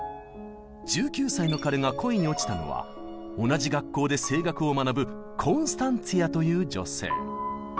１９歳の彼が恋に落ちたのは同じ学校で声楽を学ぶコンスタンツィアという女性。